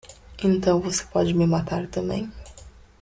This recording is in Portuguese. Então você pode me matar também?